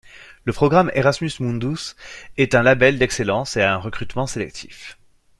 Le programme Erasmus Mundus est un label d'excellence et a un recrutement sélectif.